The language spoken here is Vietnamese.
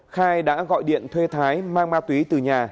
khai đã gọi điện thuê thái mang ma túy từ nhà